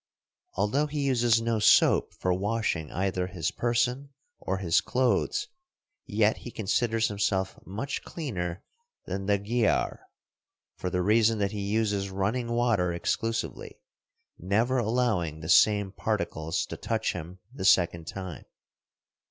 Although he uses no soap for washing either his person or his clothes, yet he considers himself much cleaner than the giaour, for the reason that he uses running water exclusively, never allowing the same particles to touch him the second time.